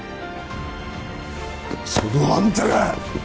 そのあんたが！